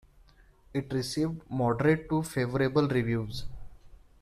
It received moderate to favorable reviews.